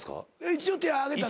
一応手挙げたの。